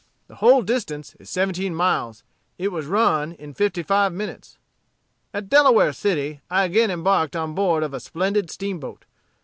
The whole distance is seventeen miles. It was run in fifty five minutes. "At Delaware City, I again embarked on board of a splendid steamboat.